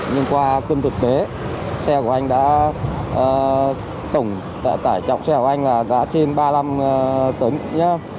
nhưng qua cơm thực tế xe của anh đã tổng tải chọc xe của anh là trên ba mươi năm tấn nhé